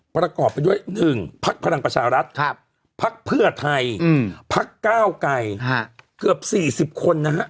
ประกอบไปด้วย๑พักพลังประชารัฐพักเพื่อไทยพักก้าวไกรเกือบ๔๐คนนะฮะ